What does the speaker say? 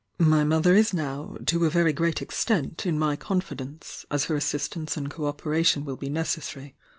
My mother is now, to a very great extent, in my confidence, as her assist ance and co operation will be necessary.